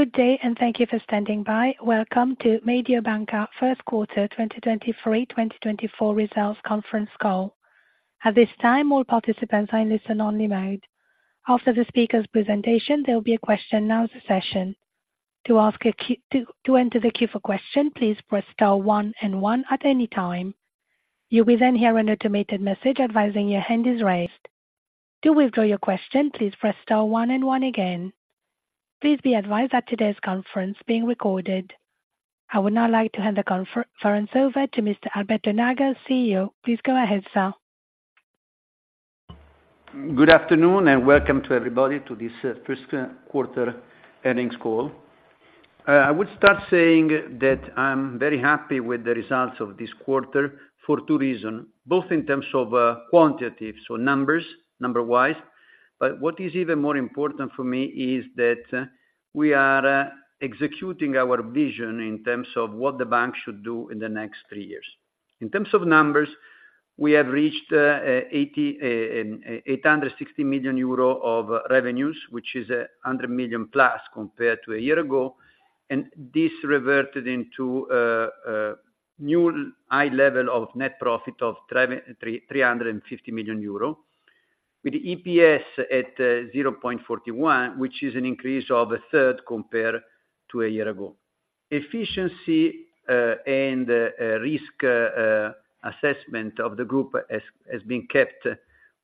Good day, and thank you for standing by. Welcome to Mediobanca Q1 2023, 2024 Results Conference Call. At this time, all participants are in listen-only mode. After the speaker's presentation, there'll be a question and answer session. To ask a question, to enter the queue for question, please press star one and one at any time. You will then hear an automated message advising your hand is raised. To withdraw your question, please press star one and one again. Please be advised that today's conference being recorded. I would now like to hand the conference over to Mr. Alberto Nagel, CEO. Please go ahead, sir. Good afternoon, and welcome to everybody to this, Q1 earnings call. I would start saying that I'm very happy with the results of this quarter for two reason, both in terms of, quantitative, so numbers, number-wise. But what is even more important for me is that, we are, executing our vision in terms of what the bank should do in the next three years. In terms of numbers, we have reached, 860 million euro of revenues, which is a 100 million plus compared to a year ago, and this reverted into, new high level of net profit of 350 million euro, with EPS at, 0.41, which is an increase of a third compared to a year ago. Efficiency and risk assessment of the group has been kept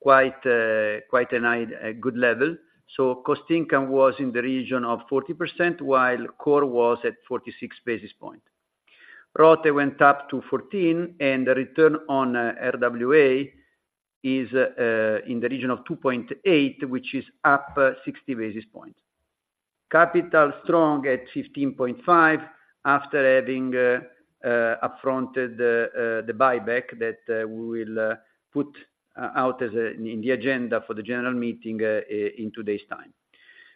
quite a high, a good level. So cost income was in the region of 40%, while core was at 46 basis point. ROTE went up to 14, and the return on RWA is in the region of 2.8, which is up 60 basis points. Capital strong at 15.5 after having upfronted the buyback that we will put out as a- in the agenda for the general meeting in today's time.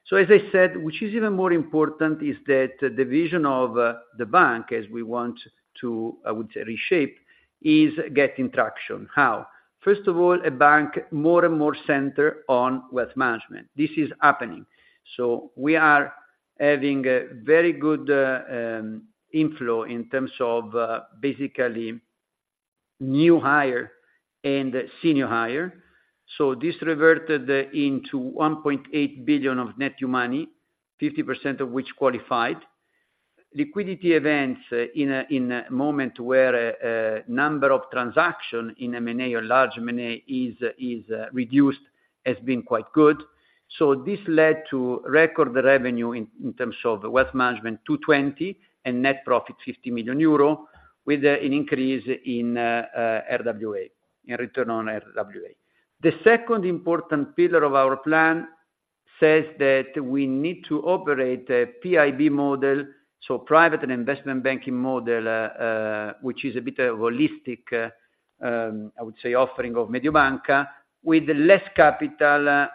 So as I said, which is even more important is that the vision of the bank, as we want to, I would say, reshape, is getting traction. How? First of all, a bank more and more center on wealth management. This is happening. So we are having a very good inflow in terms of basically new hire and senior hire. So this reverted into 1.8 billion of net new money, 50% of which qualified liquidity events in a moment where a number of transactions in M&A or large M&A is reduced, has been quite good. So this led to record revenue in terms of wealth management, 220 million, and net profit, 50 million euro, with an increase in RWA, in return on RWA. The second important pillar of our plan says that we need to operate a PIB model, so private and investment banking model, which is a bit a holistic, I would say, offering of Mediobanca, with less capital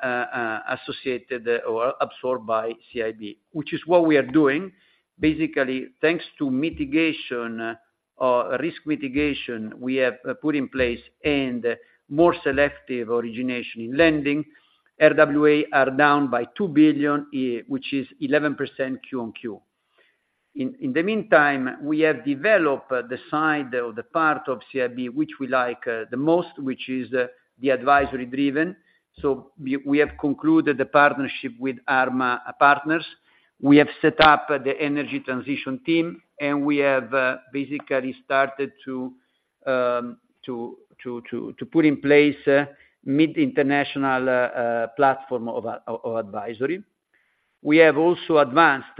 associated or absorbed by CIB, which is what we are doing. Basically, thanks to mitigation, or risk mitigation we have put in place and more selective origination in lending, RWA are down by 2 billion, which is 11% Q-on-Q. In the meantime, we have developed the side or the part of CIB which we like, the most, which is, the advisory-driven. So we have concluded the partnership with Arma Partners. We have set up the energy transition team, and we have basically started to put in place mid-international platform of advisory. We have also advanced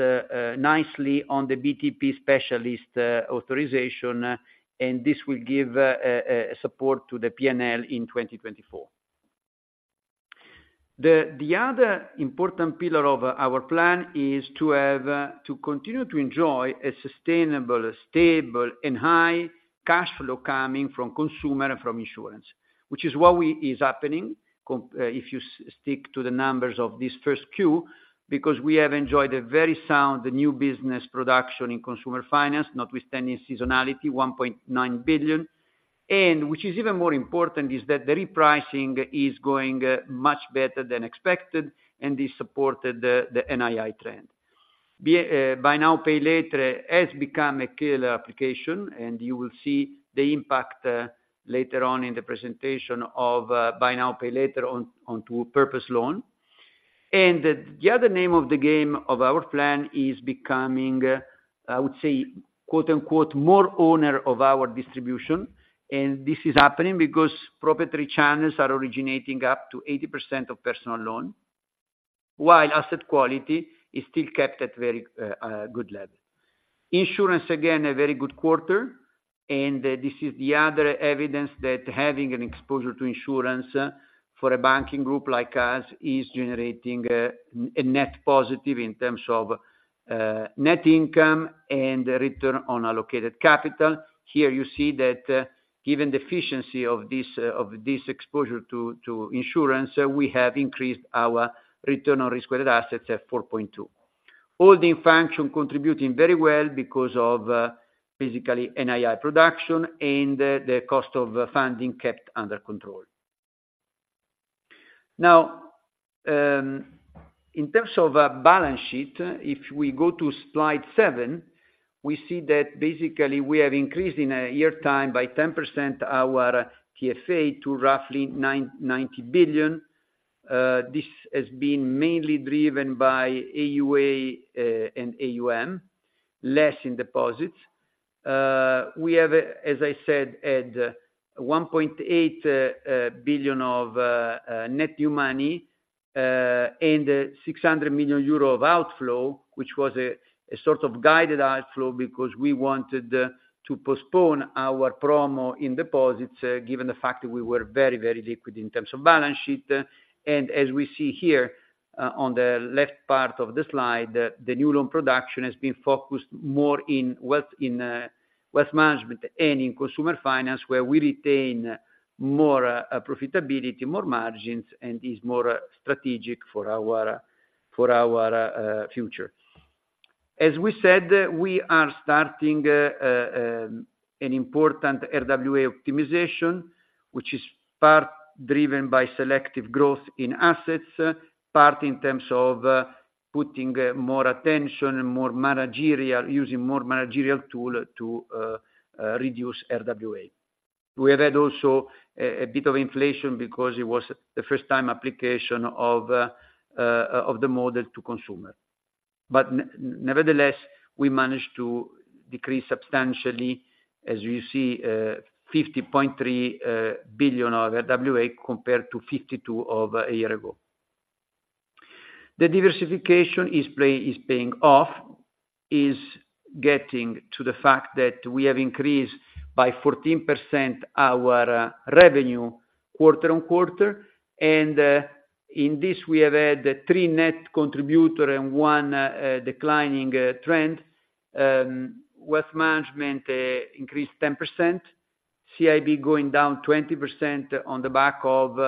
nicely on the BTP specialist authorization, and this will give support to the PNL in 2024. The other important pillar of our plan is to continue to enjoy a sustainable, stable, and high cash flow coming from consumer and from insurance, which is what is happening, if you stick to the numbers of this first Q, because we have enjoyed a very sound new business production in consumer finance, notwithstanding seasonality, 1.9 billion, and which is even more important is that the repricing is going much better than expected and this supported the NII trend. Buy now, pay later has become a killer application, and you will see the impact later on in the presentation of buy now, pay later on to purpose loan. The other name of the game of our plan is becoming, I would say, quote-unquote, more owner of our distribution. This is happening because proprietary channels are originating up to 80% of personal loan, while asset quality is still kept at very good level. Insurance, again, a very good quarter, and this is the other evidence that having an exposure to insurance for a banking group like us, is generating a net positive in terms of net income and return on allocated capital. Here you see that, given the efficiency of this of this exposure to insurance, we have increased our return on risk-weighted assets at 4.2. Holding function contributing very well because of basically NII production and the cost of funding kept under control. Now, in terms of balance sheet, if we go to slide seven, we see that basically we have increased in a year time by 10% our TFA to roughly 90 billion. This has been mainly driven by AUA and AUM, less in deposits. We have, as I said, had 1.8 billion of net new money and 600 million euro of outflow, which was a sort of guided outflow because we wanted to postpone our promo in deposits, given the fact that we were very, very liquid in terms of balance sheet. As we see here, on the left part of the slide, the new loan production has been focused more in wealth management and in consumer finance, where we retain more profitability, more margins, and is more strategic for our future. As we said, we are starting an important RWA optimization, which is part driven by selective growth in assets, part in terms of putting more attention and using more managerial tool to reduce RWA. We have had also a bit of inflation because it was the first time application of the model to consumer. Nevertheless, we managed to decrease substantially, as you see, 50.3 billion of RWA compared to 52 billion of a year ago. The diversification is paying off, getting to the fact that we have increased by 14% our revenue quarter-on-quarter. And in this, we have had three net contributor and one declining trend. Wealth management increased 10%, CIB going down 20% on the back of,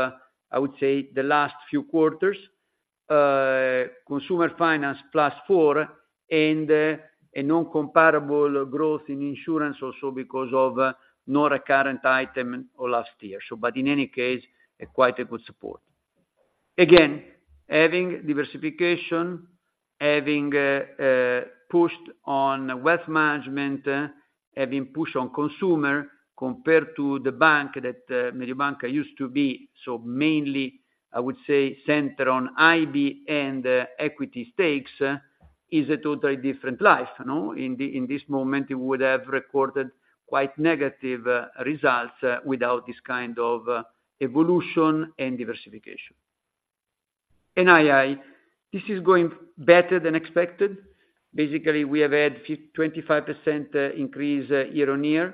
I would say, the last few quarters. Consumer finance, +4%, and a non-comparable growth in insurance also because of not a current item of last year. So but in any case, quite a good support. Again, having diversification, having pushed on wealth management, having pushed on consumer, compared to the bank that Mediobanca used to be, so mainly, I would say, centered on IB and equity stakes, is a totally different life, you know. In the, in this moment, it would have recorded quite negative results without this kind of evolution and diversification. NII, this is going better than expected. Basically, we have had 25% increase year-on-year.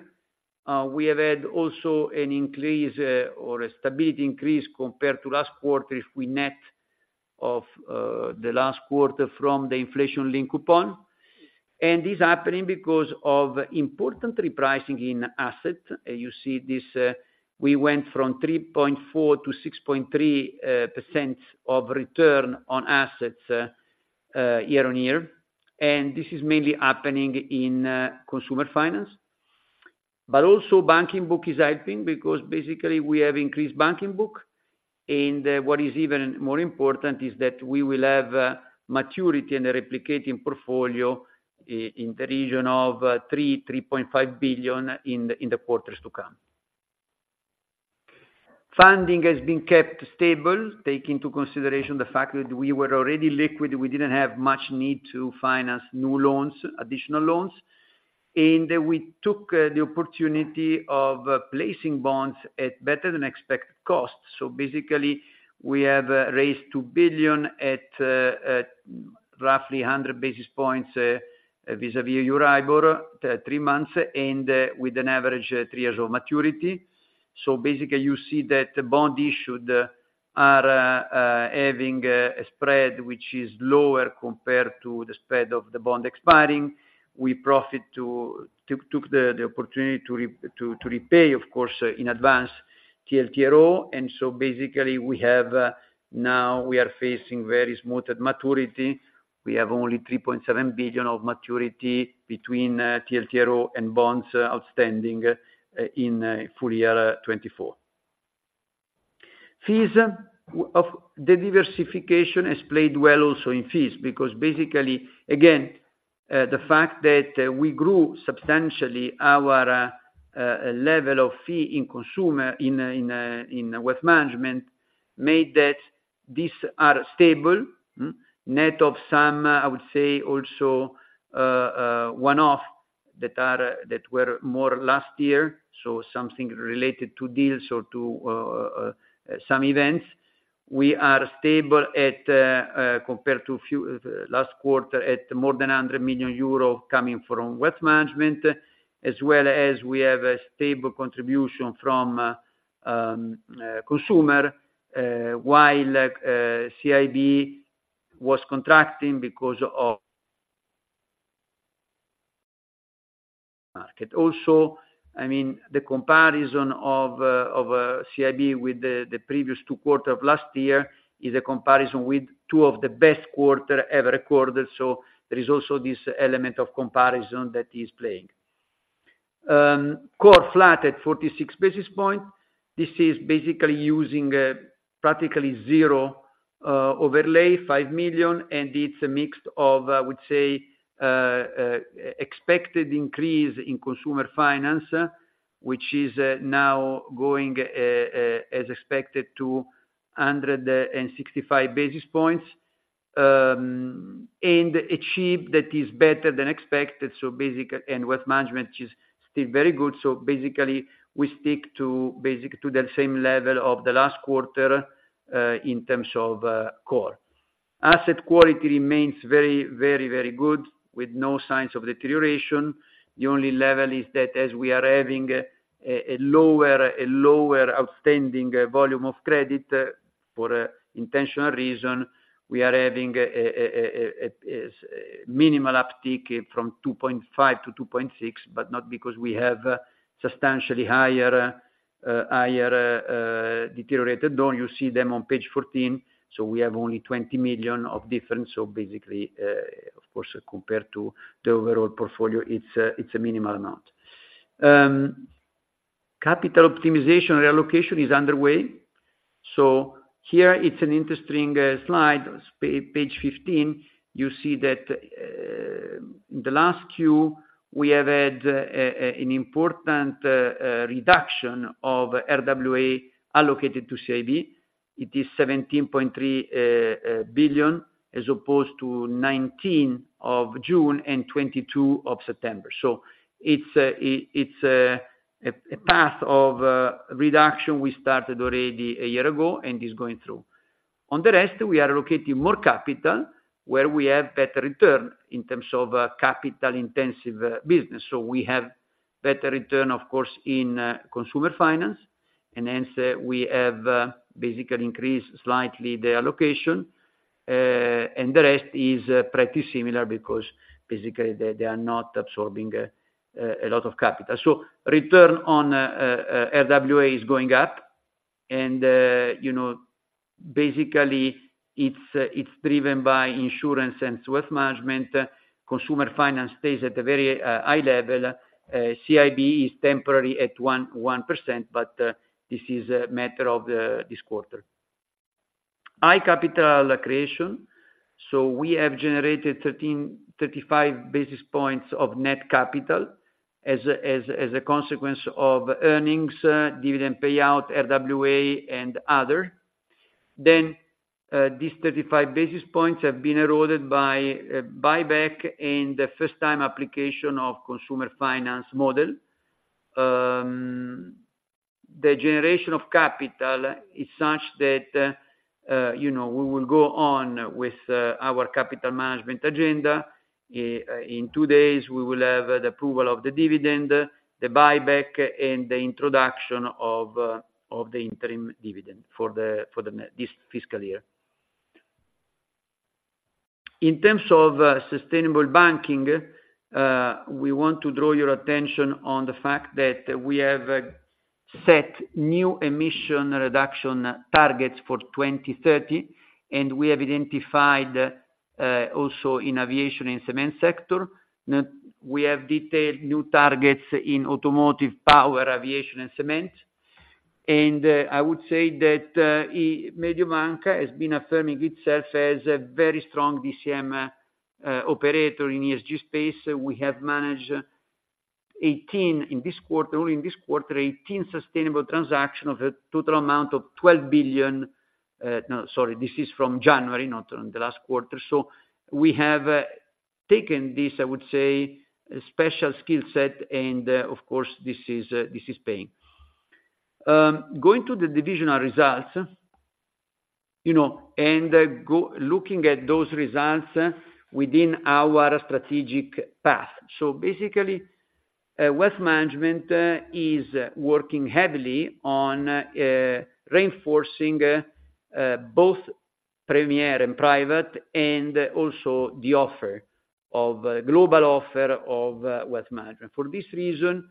We have had also an increase or a stability increase compared to last quarter if we net of the last quarter from the inflation link coupon. And this is happening because of important repricing in asset. You see this, we went from 3.4%-6.3% return on assets year-on-year, and this is mainly happening in consumer finance. But also banking book is helping because basically we have increased banking book, and what is even more important is that we will have maturity and a replicating portfolio in the region of 3 billion-3.5 billion in the quarters to come. Funding has been kept stable, take into consideration the fact that we were already liquid. We didn't have much need to finance new loans, additional loans, and we took the opportunity of placing bonds at better than expected costs. So basically, we have raised 2 billion at roughly 100 basis points vis-à-vis Euribor three months, and with an average three years of maturity. So basically, you see that the bond issued are having a spread, which is lower compared to the spread of the bond expiring. We profit to took the opportunity to repay, of course, in advance, TLTRO. And so basically, we have now we are facing very smoothed maturity. We have only 3.7 billion of maturity between TLTRO and bonds outstanding in full year 2024. Fees of the diversification has played well also in fees, because basically, again, the fact that we grew substantially our level of fee in consumer in wealth management, made that these are stable, net of some, I would say, also one-off that were more last year, so something related to deals or to some events. We are stable at, compared to a few last quarters, at more than 100 million euro coming from wealth management, as well as we have a stable contribution from consumer, while CIB was contracting because of market. Also, I mean, the comparison of CIB with the previous two quarters of last year is a comparison with two of the best quarters ever recorded, so there is also this element of comparison that is playing. Core flat at 46 basis points. This is basically using practically zero overlay, 5 million, and it's a mix of, I would say, expected increase in consumer finance, which is now going as expected to 165 basis points. And achieve that is better than expected, so basic- and wealth management is still very good. Basically, we stick to basically to the same level of the last quarter, in terms of core. Asset quality remains very, very, very good, with no signs of deterioration. The only level is that as we are having a lower, a lower outstanding volume of credit, for intentional reason, we are having a minimal uptick from 2.5-2.6, but not because we have substantially higher, higher, deteriorated, though you see them on page 14, so we have only 20 million of difference. Basically, of course, compared to the overall portfolio, it's a minimal amount. Capital optimization reallocation is underway. Here it's an interesting slide, page 15, you see that the last quarter, we have had an important reduction of RWA allocated to CIB. It is 17.3 billion, as opposed to 19 billion of June and 22 billion of September. It's a path of reduction we started already a year ago and is going through. On the rest, we are allocating more capital where we have better return in terms of capital intensive business. We have better return, of course, in Consumer Finance, and hence, we have basically increased slightly the allocation. The rest is pretty similar because basically, they are not absorbing a lot of capital. So return on RWA is going up, and you know, basically it's driven by insurance and wealth management. Consumer finance stays at a very high level. CIB is temporary at 1%, but this is a matter of this quarter. High capital creation, so we have generated 1,335 basis points of net capital as a consequence of earnings, dividend payout, RWA, and other. Then these 35 basis points have been eroded by buyback and the first time application of consumer finance model. The generation of capital is such that you know, we will go on with our capital management agenda. In two days, we will have the approval of the dividend, the buyback, and the introduction of the interim dividend for the next fiscal year. In terms of sustainable banking, we want to draw your attention on the fact that we have set new emission reduction targets for 2030, and we have identified also in aviation and cement sector that we have detailed new targets in automotive, power, aviation, and cement. And I would say that Mediobanca has been affirming itself as a very strong DCM operator in ESG space. We have managed 18 in this quarter, only in this quarter, 18 sustainable transaction of a total amount of 12 billion. No, sorry, this is from January, not on the last quarter. So we have taken this, I would say, a special skill set, and of course, this is this is paying. Going to the divisional results, you know, and looking at those results within our strategic path. So basically, wealth management is working heavily on reinforcing both premier and private, and also the offer of global offer of wealth management. For this reason,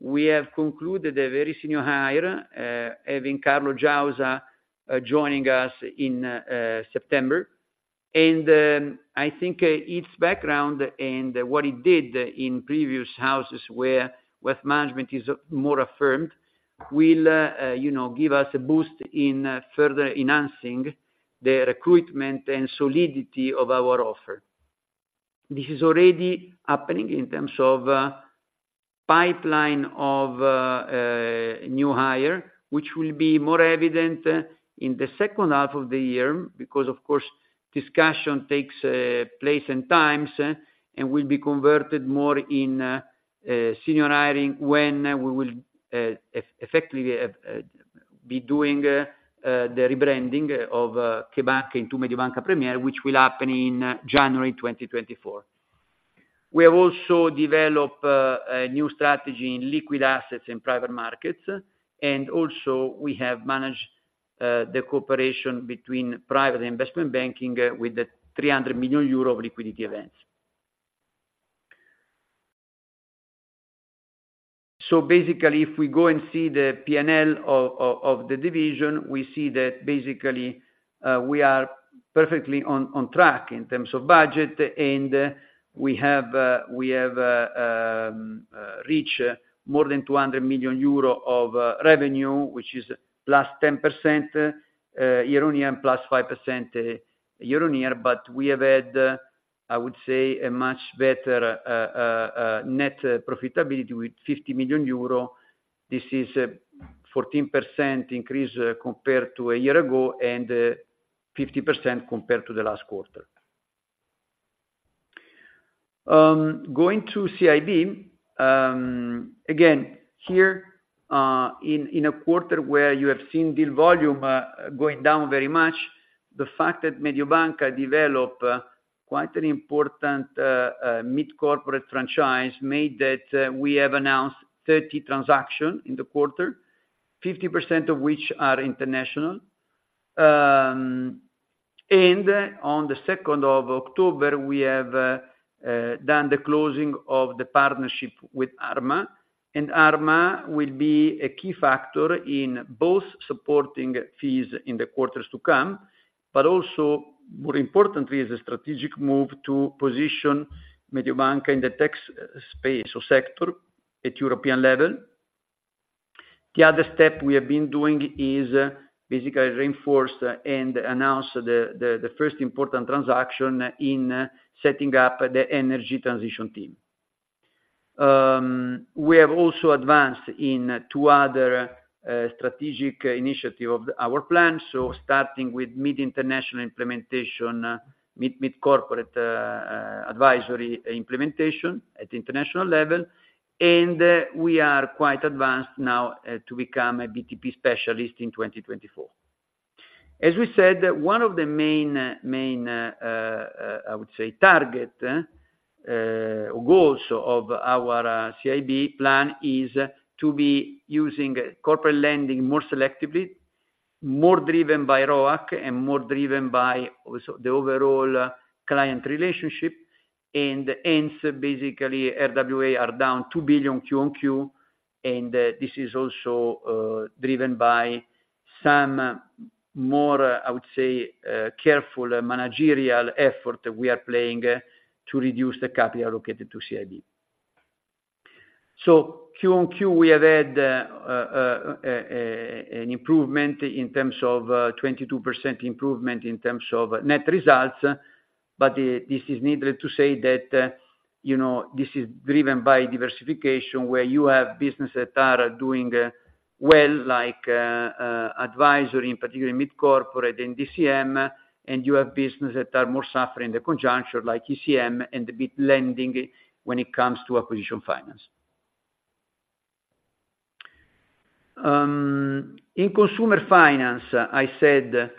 we have concluded a very senior hire, having Carlo Giausa joining us in September. And, I think, his background and what he did in previous houses where wealth management is more affirmed, will, you know, give us a boost in further enhancing the recruitment and solidity of our offer. This is already happening in terms of pipeline of new hire, which will be more evident in the second half of the year, because, of course, discussion takes place and times, and will be converted more in a senior hiring, when we will effectively be doing the rebranding of CheBanca! into Mediobanca Premier, which will happen in January 2024. We have also developed a new strategy in liquid assets in private markets, and also we have managed the cooperation between private investment banking with the 300 million euro of liquidity events. So basically, if we go and see the PNL of the division, we see that basically we are perfectly on track in terms of budget, and we have reached more than 200 million euro of revenue, which is +10% year-on-year, and +5% year-on-year. But we have had, I would say, a much better net profitability with 50 million euro. This is a 14% increase compared to a year ago, and 50% compared to the last quarter. Going to CIB, again, here, in a quarter where you have seen deal volume going down very much, the fact that Mediobanca developed quite an important mid-corporate franchise, made that we have announced 30 transaction in the quarter, 50% of which are international. And on the second of October, we have done the closing of the partnership with Arma. And Arma will be a key factor in both supporting fees in the quarters to come, but also, more importantly, is a strategic move to position Mediobanca in the tech space or sector at European level. The other step we have been doing is basically reinforce and announce the first important transaction in setting up the energy transition team. We have also advanced in two other strategic initiative of our plan. Starting with mid-international implementation, mid-corporate advisory implementation at international level, and we are quite advanced now to become a BTP specialist in 2024. As we said, one of the main, I would say, target or goals of our CIB plan is to be using corporate lending more selectively, more driven by ROAC, and more driven by also the overall client relationship. And hence, basically, RWA are down 2 billion Q-on-Q, and this is also driven by some more, I would say, careful managerial effort we are playing to reduce the capital allocated to CIB. So Q-on-Q, we have had an improvement in terms of 22% improvement in terms of net results. This is needless to say that, you know, this is driven by diversification, where you have businesses that are doing well, like advisory, in particular, mid-corporate and DCM, and you have businesses that are more suffering the conjunction, like ECM and the bit lending when it comes to acquisition finance. In consumer finance, I said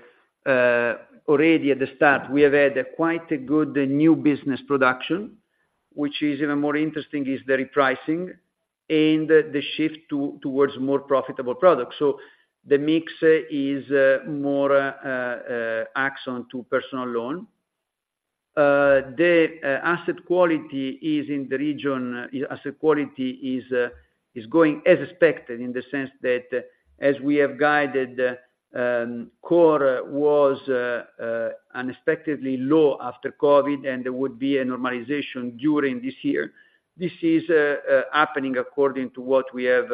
already at the start, we have had quite a good new business production, which is even more interesting, is the repricing and the shift towards more profitable products. The mix is more axed on to personal loan. The asset quality is in the region... Asset quality is going as expected, in the sense that, as we have guided, core was unexpectedly low after COVID, and there would be a normalization during this year. This is happening according to what we have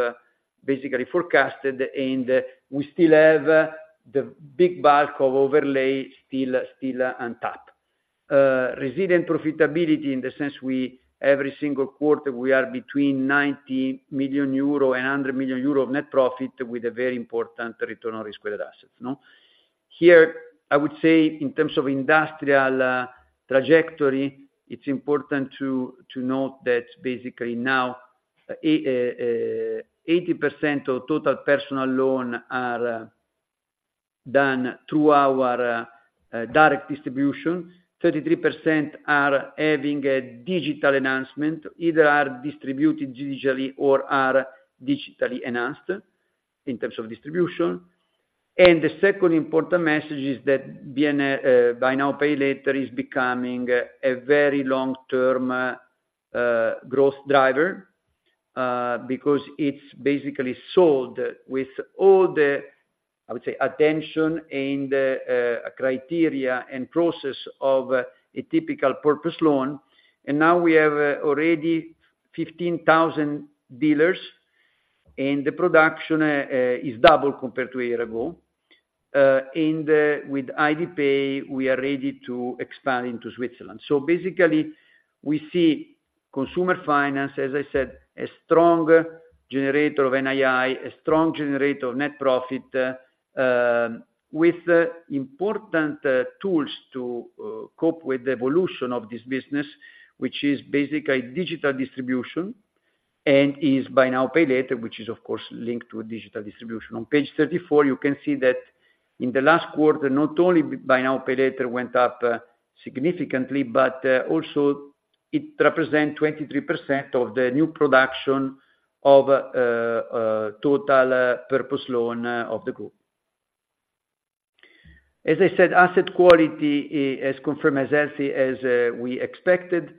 basically forecasted, and we still have the big bulk of overlay still on top. Resident profitability, in the sense we every single quarter we are between 90 million euro and 100 million euro of net profit, with a very important return on risk-weighted assets, no? Here, I would say, in terms of industrial trajectory, it's important to note that basically now 80% of total personal loan are done through our direct distribution. 33% are having a digital enhancement, either are distributed digitally or are digitally enhanced in terms of distribution. And the second important message is that BN, Buy Now, Pay Later, is becoming a very long-term growth driver, because it's basically sold with all the, I would say, attention and criteria and process of a typical purpose loan. And now we have already 15,000 dealers, and the production is double compared to a year ago. And with HeidiPay, we are ready to expand into Switzerland. So basically, we see consumer finance, as I said, a strong generator of NII, a strong generator of net profit, with important tools to cope with the evolution of this business, which is basically digital distribution, and is Buy Now, Pay Later, which is, of course, linked to a digital distribution. On page 34, you can see that in the last quarter, not only Buy Now, Pay Later went up significantly, but also it represent 23% of the new production of total purpose loan of the group. As I said, asset quality, as confirmed, as healthy as we expected.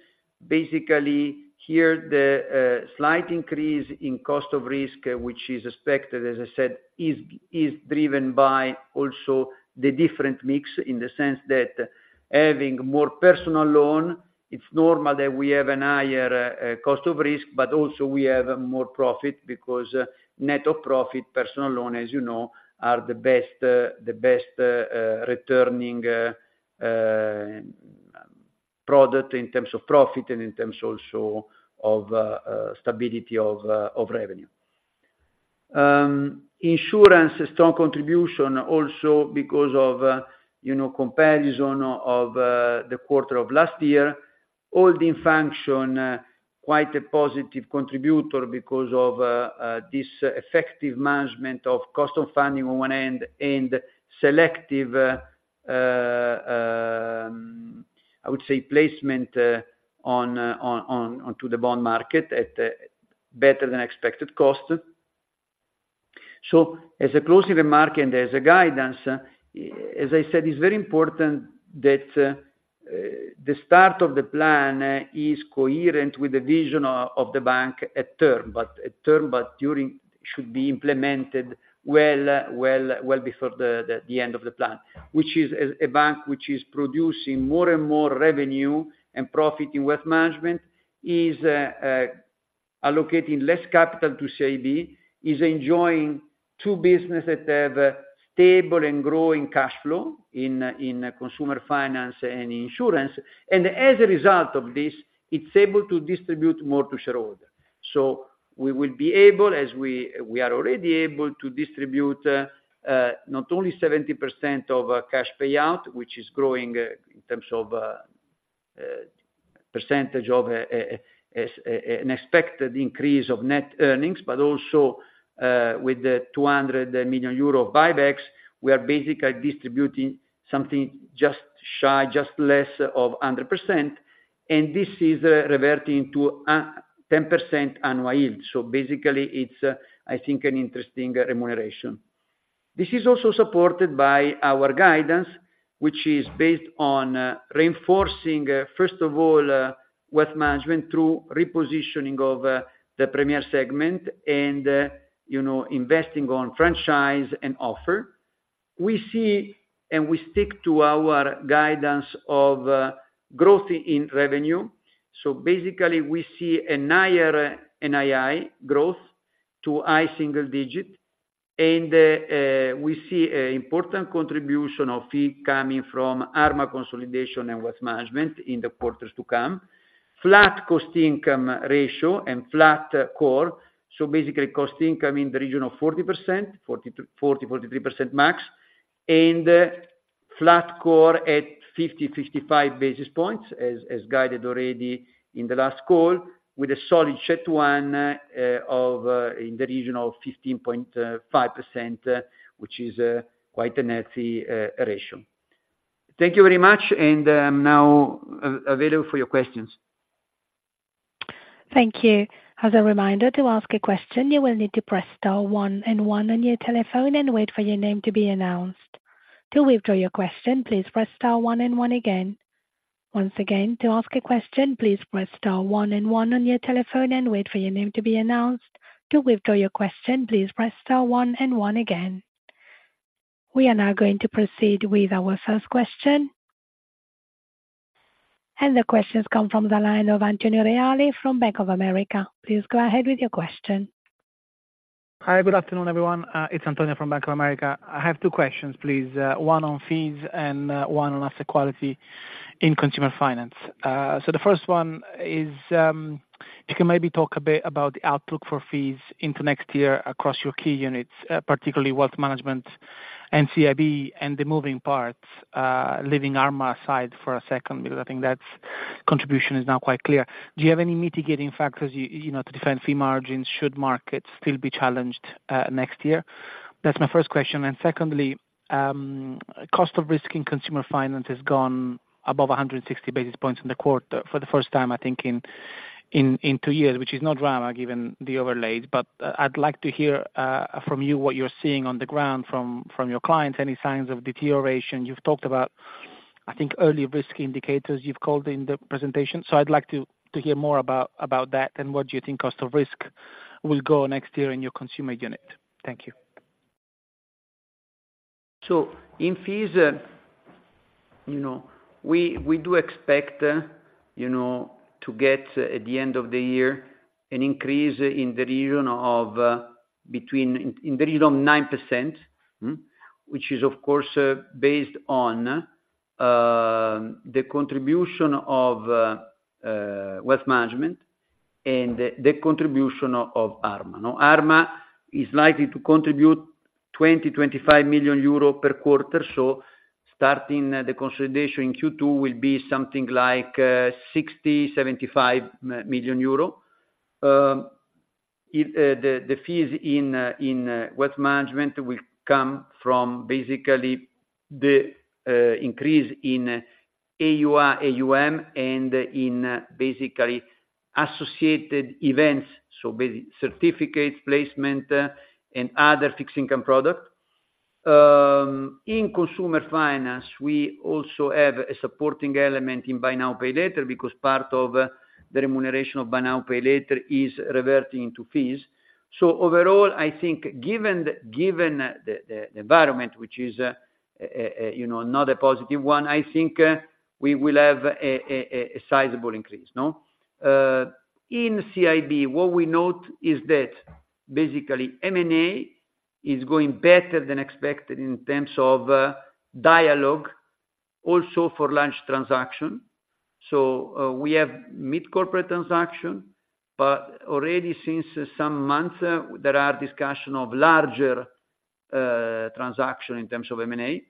Basically, here, the slight increase in cost of risk, which is expected, as I said, is driven by also the different mix, in the sense that having more personal loan, it's normal that we have a higher cost of risk, but also we have more profit because net of profit, personal loan, as you know, are the best, the best returning product in terms of profit and in terms also of stability of revenue. Insurance, a strong contribution also because of, you know, comparison of the quarter of last year. Holding function, quite a positive contributor because of this effective management of cost of funding on one end and selective, I would say placement on to the bond market at a better than expected cost. So as a closing remark and as a guidance, as I said, it's very important that the start of the plan is coherent with the vision of the bank at term, but at term, but during should be implemented well before the end of the plan. Which is a bank which is producing more and more revenue and profit in wealth management, is allocating less capital to CIB, is enjoying two business that have a stable and growing cash flow in consumer finance and insurance. As a result of this, it's able to distribute more to shareholder. We will be able, as we are already able, to distribute not only 70% of cash payout, which is growing in terms of percentage of an expected increase of net earnings, but also, with the 200 million euro buybacks, we are basically distributing something just shy, just less of 100%, and this is reverting to 10% annual yield. Basically, it's, I think, an interesting remuneration. This is also supported by our guidance, which is based on reinforcing, first of all, Wealth Management through repositioning of the Premier segment and, you know, investing on franchise and offer. We see, and we stick to our guidance of growth in revenue. So basically, we see a higher NII growth to high single digit, and we see an important contribution of fee coming from Arma consolidation and Wealth Management in the quarters to come. Flat cost-income ratio and flat core. So basically, cost-income in the region of 40%, 40%-43% max, and flat core at 50-55 basis points, as guided already in the last call, with a solid CET1 of in the region of 15.5%, which is quite a healthy ratio. Thank you very much, and now available for your questions. Thank you. As a reminder, to ask a question, you will need to press star one and one on your telephone and wait for your name to be announced. To withdraw your question, please press star one and one again. Once again, to ask a question, please press star one and one on your telephone and wait for your name to be announced. To withdraw your question, please press star one and one again. We are now going to proceed with our first question. The question has come from the line of Antonio Reale from Bank of America. Please go ahead with your question. Hi, good afternoon, everyone. It's Antonio from Bank of America. I have two questions, please, one on fees and one on asset quality in consumer finance. So the first one is, if you can maybe talk a bit about the outlook for fees into next year across your key units, particularly wealth management and CIB and the moving parts, leaving Arma aside for a second, because I think that's contribution is now quite clear. Do you have any mitigating factors, you know, to defend fee margins, should markets still be challenged next year? That's my first question. And secondly, cost of risk in consumer finance has gone above 160 basis points in the quarter, for the first time, I think in two years, which is not drama, given the overlays. But, I'd like to hear from you what you're seeing on the ground from your clients, any signs of deterioration. You've talked about, I think, early risk indicators you've called in the presentation, so I'd like to hear more about that and what you think cost of risk will go next year in your consumer unit. Thank you. So in fees, you know, we do expect, you know, to get at the end of the year, an increase in the region of between in the region of 9%, which is, of course, based on the contribution of Wealth Management and the contribution of Arma. Now, Arma is likely to contribute 20 million-25 million euro per quarter, so starting the consolidation in Q2 will be something like 60 million-75 million euro. It, the fees in Wealth Management will come from basically the increase in AUM and in basically associated events, so basically certificates, placement, and other fixed income product. In Consumer Finance, we also have a supporting element in Buy Now, Pay Later, because part of the remuneration of buy now, pay later is reverting to fees. So overall, I think given the environment, which is, you know, not a positive one, I think we will have a sizable increase, no? In CIB, what we note is that basically M&A is going better than expected in terms of dialogue, also for large transaction. So, we have mid-corporate transaction, but already since some months, there are discussion of larger transaction in terms of M&A.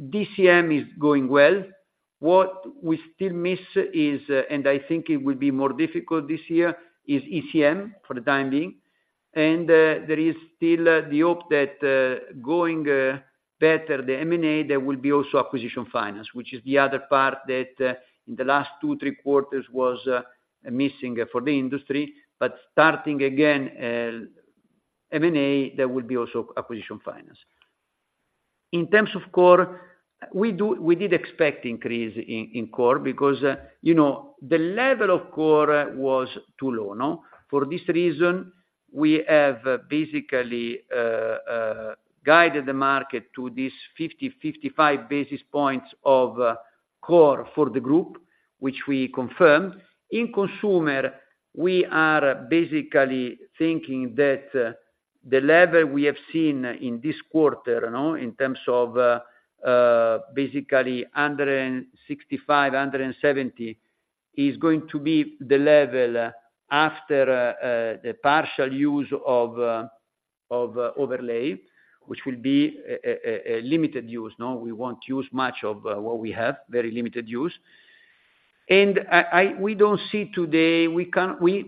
DCM is going well. What we still miss is, and I think it will be more difficult this year, is ECM for the time being. There is still the hope that, going better the M&A, there will be also acquisition finance, which is the other part that, in the last two, three quarters was missing for the industry, but starting again, M&A, there will be also acquisition finance. In terms of core, we did expect increase in core because, you know, the level of core was too low, no? For this reason, we have basically guided the market to this 50-55 basis points of core for the group, which we confirm. In consumer, we are basically thinking that, the level we have seen in this quarter, you know, in terms of, basically 165, 170, is going to be the level after, the partial use of, of overlay, which will be, a limited use, no? We won't use much of, what we have, very limited use. And I, we don't see today, we can't, we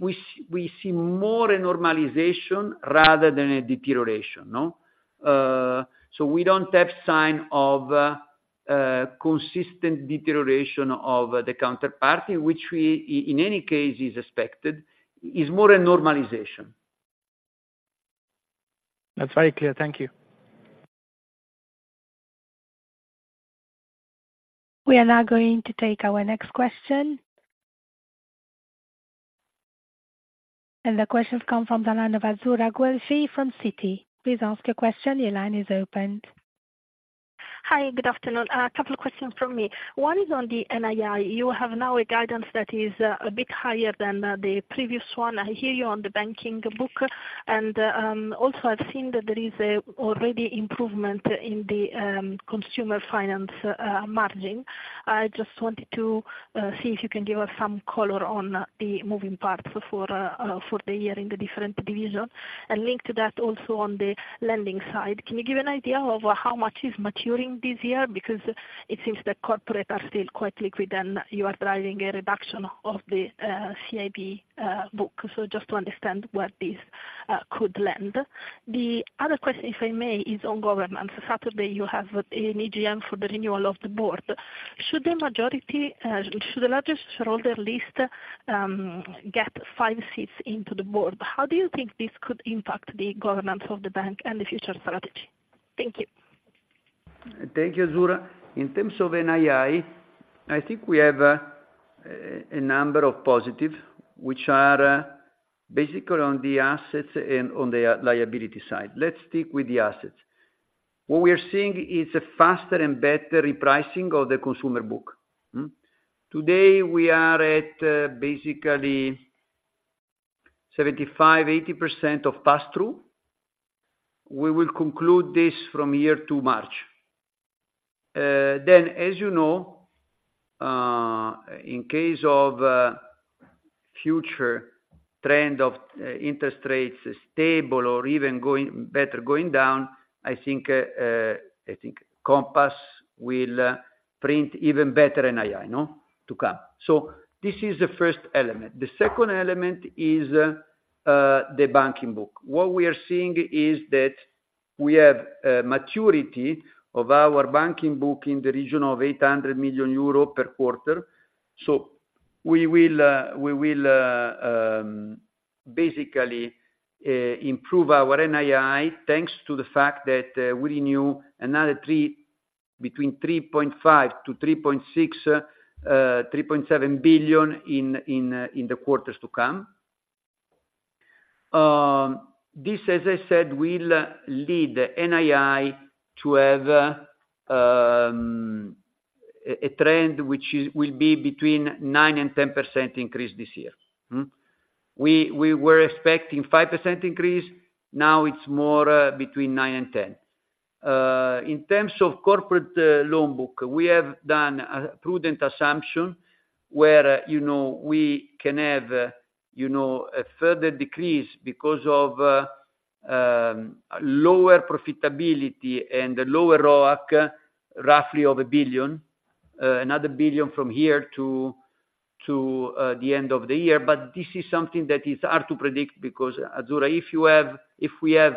see more a normalization rather than a deterioration, no? So we don't have sign of, consistent deterioration of the counterparty, which we, in any case, is expected, is more a normalization. That's very clear. Thank you. We are now going to take our next question. The question comes from the line of Azzurra Guelfi from Citi. Please ask your question. Your line is opened. Hi, good afternoon. A couple of questions from me. One is on the NII. You have now a guidance that is a bit higher than the previous one. I hear you on the banking book, and also I've seen that there is already an improvement in the consumer finance margin. I just wanted to see if you can give us some color on the moving parts for the year in the different divisions. Linked to that also on the lending side, can you give an idea of how much is maturing this year? Because it seems that corporate are still quite liquid, and you are driving a reduction of the CIB book. So just to understand where this could lend. The other question, if I may, is on governance. Saturday, you have an AGM for the renewal of the board. Should the majority, should the largest shareholder list, get five seats into the board, how do you think this could impact the governance of the bank and the future strategy? Thank you. Thank you, Azzurra. In terms of NII, I think we have a number of positive, which are basically on the assets and on the liability side. Let's stick with the assets. What we are seeing is a faster and better repricing of the consumer book. Today, we are at basically 75%-80% of pass-through. We will conclude this from here to March. Then, as you know, in case of future trend of interest rates stable or even going better, going down, I think, I think Compass will print even better NII, no, to come. So this is the first element. The second element is the banking book. What we are seeing is that we have maturity of our banking book in the region of 800 million euro per quarter. So we will, we will, basically, improve our NII, thanks to the fact that, we renew another between 3.5 billion-3.7 billion in, in, in the quarters to come. This, as I said, will lead NII to have, a, a trend which is- will be between 9%-10% increase this year. We, we were expecting 5% increase, now it's more, between 9%-10%. In terms of corporate, loan book, we have done a prudent assumption where, you know, we can have, you know, a further decrease because of, lower profitability and lower ROAC, roughly of a billion, another billion from here to, to, the end of the year. But this is something that is hard to predict, because, Azzurra, if you have- if we have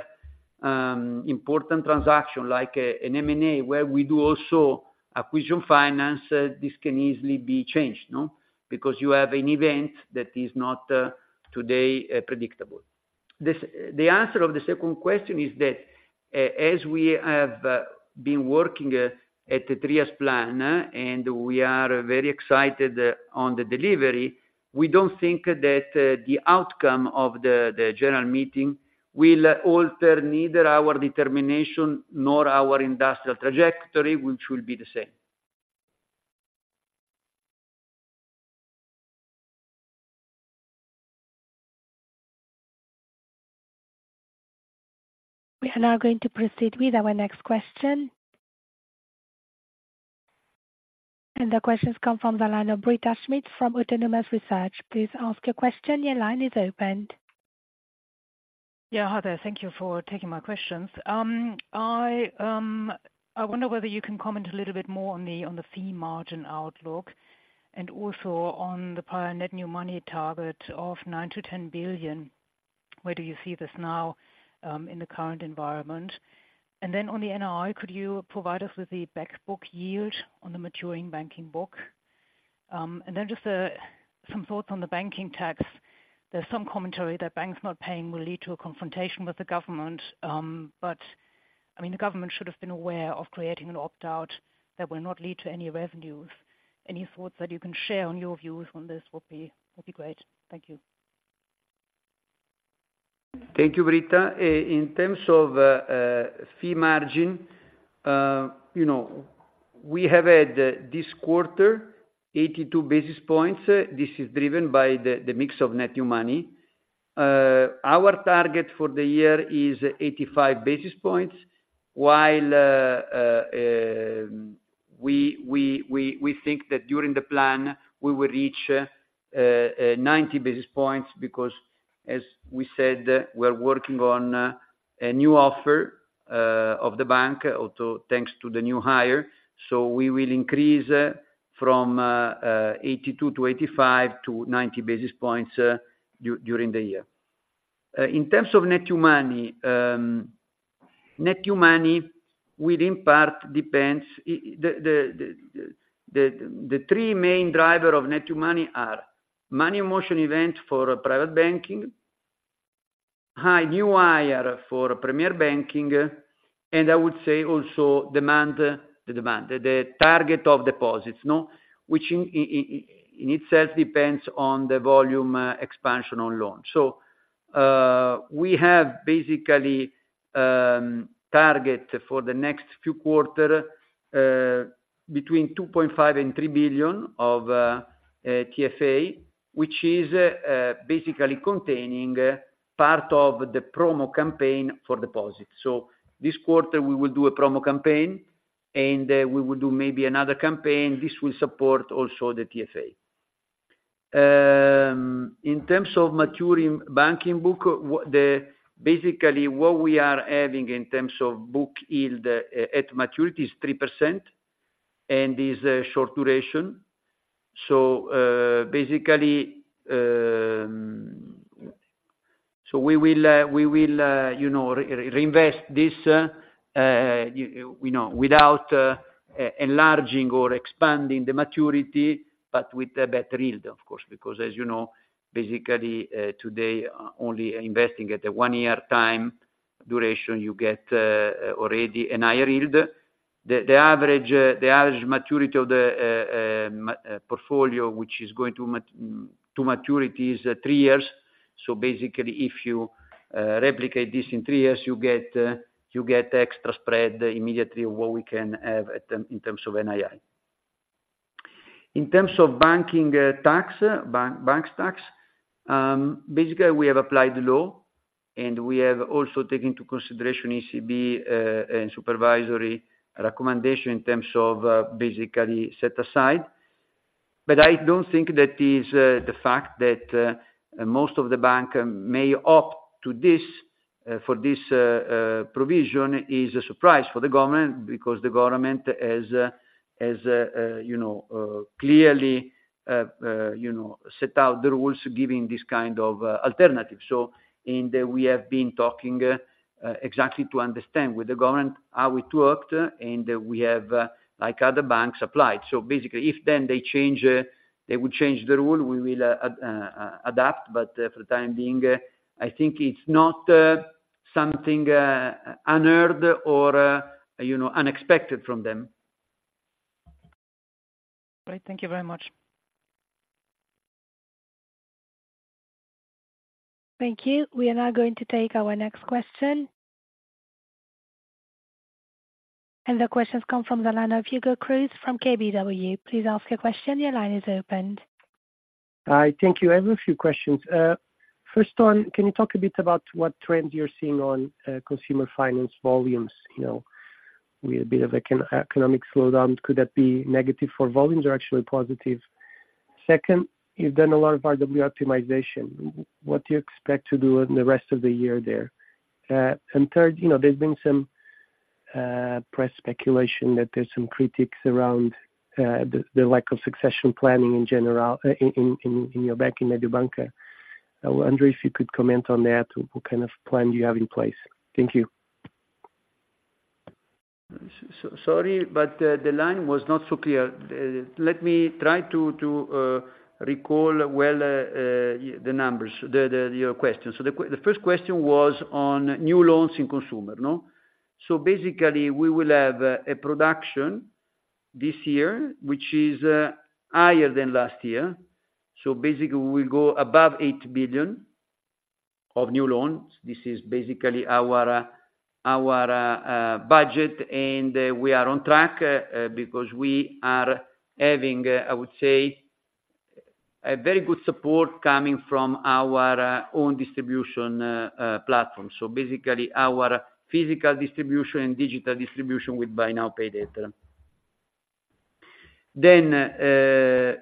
important transaction, like, an M&A, where we do also acquisition finance, this can easily be changed, no? Because you have an event that is not, today, predictable. This, the answer of the second question is that, as we have, been working, at the three years plan, and we are very excited, on the delivery, we don't think that, the outcome of the, the general meeting will alter neither our determination nor our industrial trajectory, which will be the same. We are now going to proceed with our next question. The question's come from the line of Britta Schmidt, from Autonomous Research. Please ask your question. Your line is opened. Yeah, hi there. Thank you for taking my questions. I wonder whether you can comment a little bit more on the fee margin outlook, and also on the net new money target of 9 billion-10 billion. Where do you see this now, in the current environment? And then on the NII, could you provide us with the back book yield on the maturing banking book? And then just some thoughts on the banking tax. There's some commentary that banks not paying will lead to a confrontation with the government, but, I mean, the government should have been aware of creating an opt-out that will not lead to any revenues. Any thoughts that you can share on your views on this would be, would be great. Thank you. Thank you, Britta. In terms of fee margin, you know, we have had, this quarter, 82 basis points. This is driven by the mix of net new money. Our target for the year is 85 basis points, while we think that during the plan, we will reach 90 basis points, because as we said, we're working on a new offer of the bank, also thanks to the new hire. So we will increase from 82 -85-90 basis points during the year. In terms of net new money, net new money will in part depends, the three main driver of net new money are: money motion event for private banking, high net worth for premier banking, and I would say also demand, the target of deposits, no? Which in itself depends on the volume expansion on loan. So, we have basically target for the next few quarter, between 2.5 billion and 3 billion of TFA, which is basically containing part of the promo campaign for deposits. So this quarter, we will do a promo campaign, and we will do maybe another campaign. This will support also the TFA. In terms of maturing banking book, basically, what we are having in terms of book yield, at maturity is 3%, and is a short duration. So, basically, so we will, we will, you know, reinvest this, you know, without, enlarging or expanding the maturity, but with a better yield, of course. Because as you know, basically, today, only investing at a one-year time duration, you get, already an higher yield. The average maturity of the portfolio, which is going to to maturity, is three years. So basically, if you replicate this in three years, you get, you get extra spread immediately what we can have at term- in terms of NII. In terms of banking tax, banks tax, basically, we have applied the law, and we have also taken into consideration ECB and supervisory recommendation in terms of basically set aside. I don't think that is the fact that most of the bank may opt to this, for this provision is a surprise for the government, because the government has, has, you know, clearly, you know, set out the rules giving this kind of alternative. We have been talking, exactly to understand with the government, how we too worked, and we have, like other banks, applied. So basically, if then they change, they would change the rule, we will adapt, but for the time being, I think it's not something unheard or, you know, unexpected from them. Great. Thank you very much. Thank you. We are now going to take our next question. The question's come from the line of Hugo Cruz from KBW. Please ask your question. Your line is opened. Hi, thank you. I have a few questions. First one, can you talk a bit about what trends you're seeing on, consumer finance volumes? You know, with a bit of economic slowdown, could that be negative for volumes or actually positive? Second, you've done a lot of RWA optimization. What do you expect to do in the rest of the year there? And third, you know, there's been press speculation that there's some critiques around, the lack of succession planning in general, in your bank, in Mediobanca. I wonder if you could comment on that. What kind of plan do you have in place? Thank you. So sorry, but the line was not so clear. Let me try to recall, well, the numbers, the, the, your question. So the first question was on new loans in consumer, no? So basically, we will have a production this year, which is higher than last year. So basically, we will go above 8 billion of new loans. This is basically our budget, and we are on track because we are having, I would say, a very good support coming from our own distribution platform. So basically, our physical distribution and digital distribution with buy now, pay later.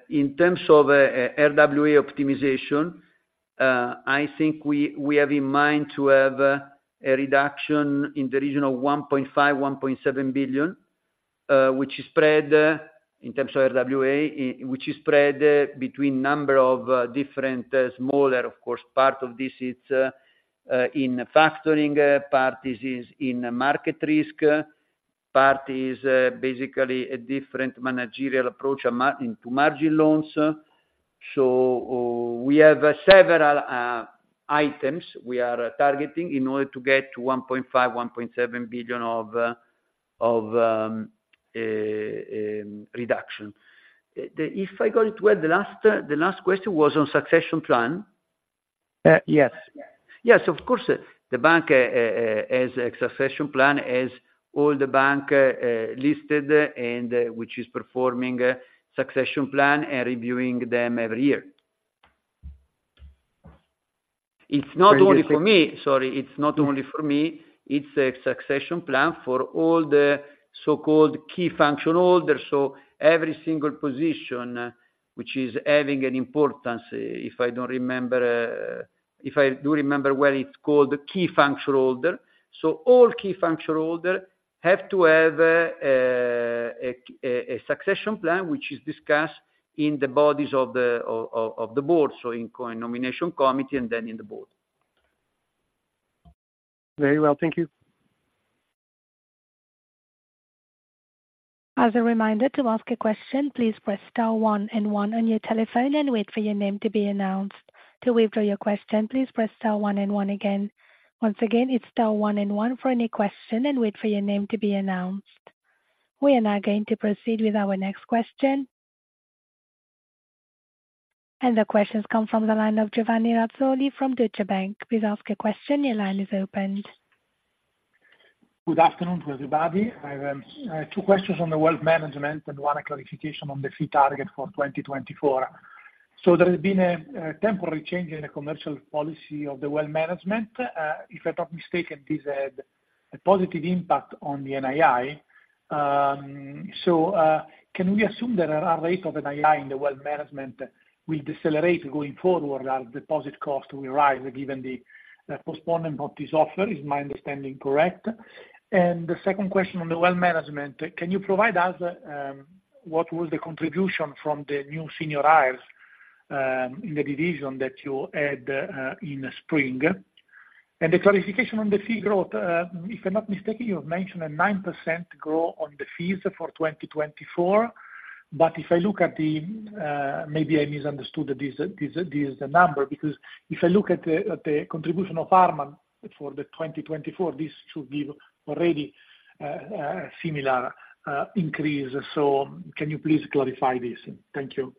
In terms of RWA optimization, I think we have in mind to have a reduction in the region of 1.5 billion-1.7 billion, which is spread in terms of RWA, which is spread between a number of different, smaller, of course, part of this, it's in factoring, part is in market risk, part is basically a different managerial approach into margin loans. We have several items we are targeting in order to get to 1.5 billion-1.7 billion of reduction. If I got it well, the last question was on succession plan. Uh, yes. Yes, of course. The bank has a succession plan, as all the bank listed and which is performing succession plan and reviewing them every year. It's not only for me. Sorry, it's not only for me, it's a succession plan for all the so-called key functional holders. So every single position which is having an importance, if I don't remember, if I do remember well, it's called the key functional holder. So all key functional holder have to have a succession plan, which is discussed in the bodies of the board, so in nomination committee and then in the board. Very well. Thank you. As a reminder, to ask a question, please press star one and one on your telephone and wait for your name to be announced. To withdraw your question, please press star one and one again. Once again, it's star one and one for any question and wait for your name to be announced. We are now going to proceed with our next question. The questions come from the line of Giovanni Razzoli from Deutsche Bank. Please ask a question. Your line is open. Good afternoon to everybody. I have two questions on the Wealth Management, and one a clarification on the fee target for 2024. So there has been a temporary change in the commercial policy of the Wealth Management. If I'm not mistaken, this had a positive impact on the NII. So, can we assume that our rate of NII in the Wealth Management will decelerate going forward, our deposit cost will rise, given the postponement of this offer? Is my understanding correct? And the second question on the Wealth Management, can you provide us what was the contribution from the new senior hires in the division that you had in the spring? And the clarification on the fee growth, if I'm not mistaken, you have mentioned a 9% growth on the fees for 2024. But if I look at the, maybe I misunderstood this number, because if I look at the contribution of Arma for 2024, this should be already similar increase. So can you please clarify this? Thank you.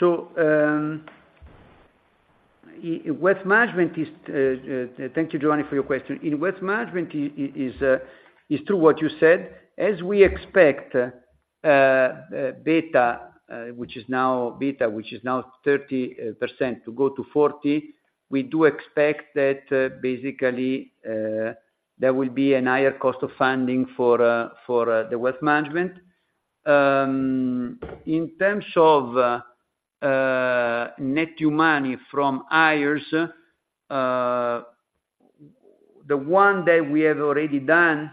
In wealth management, thank you, Giovanni, for your question. In wealth management, as we expect beta, which is now 30%, to go to 40%, we do expect that there will be a higher cost of funding for the wealth management. In terms of net new money from hires, the one that we have already done,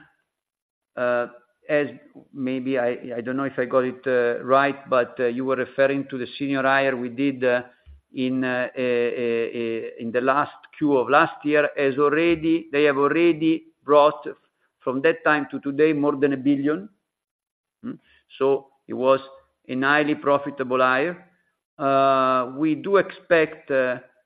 as maybe I, I don't know if I got it right, but you were referring to the senior hire we did in the last Q of last year. As already-- They have already brought from that time to today, more than 1 billion. Hmm. So it was a highly profitable hire. We do expect,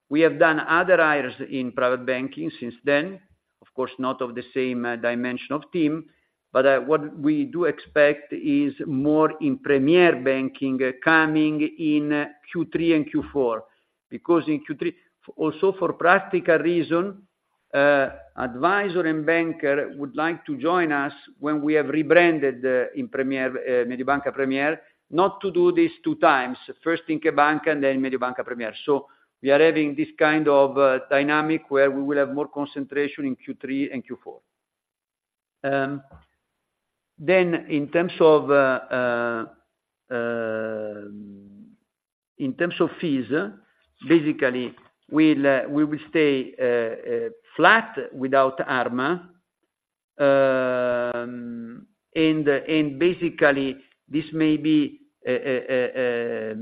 we have done other hires in private banking since then. Of course, not of the same, dimension of team, but, what we do expect is more in premier banking coming in Q3 and Q4. Because in Q3... Also, for practical reason, advisor and banker would like to join us when we have rebranded, in premier, Mediobanca Premier. Not to do this two times, first in CheBanca!, and then Mediobanca Premier. So we are having this kind of, dynamic where we will have more concentration in Q3 and Q4. Then in terms of, in terms of fees, basically, we'll, we will stay, flat without Arma. Basically, this may be a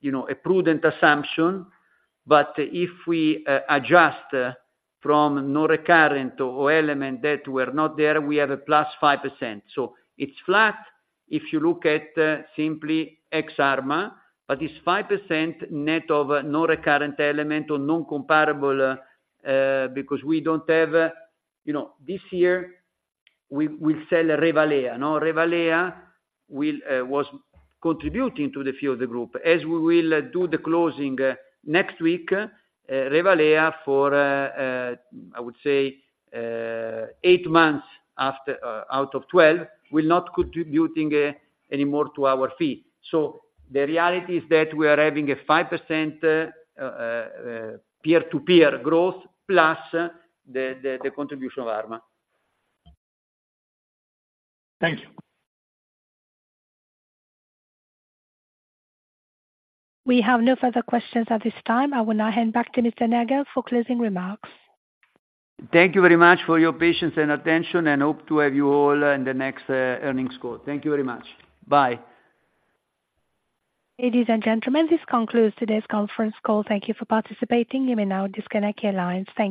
you know a prudent assumption, but if we adjust from non-recurrent or element that were not there, we have a +5%. So it's flat if you look at simply ex Arma, but it's 5% net over non-recurrent element or non-comparable, because we don't have, you know. This year we sell Revalea. Now, Revalea will was contributing to the fee of the group. As we will do the closing next week, Revalea for I would say eight months after out of 12 will not contributing anymore to our fee. So the reality is that we are having a 5% year-to-year growth, plus the contribution of Arma. Thank you. We have no further questions at this time. I will now hand back to Mr. Nagel for closing remarks. Thank you very much for your patience and attention, and hope to have you all in the next earnings call. Thank you very much. Bye. Ladies and gentlemen, this concludes today's conference call. Thank you for participating. You may now disconnect your lines. Thank you.